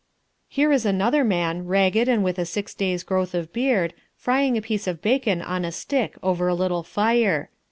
Here is another man, ragged and with a six days' growth of beard, frying a piece of bacon on a stick over a little fire.